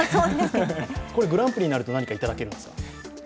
グランプリになると何か頂けるんですか？